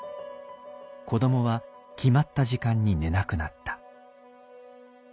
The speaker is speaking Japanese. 子どもは決まった時間に寝なくなった。